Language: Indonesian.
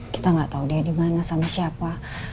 kita gak tahu dia dimana sama siapa